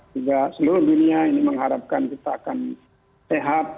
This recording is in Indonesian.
juga seluruh dunia ini mengharapkan kita akan sehat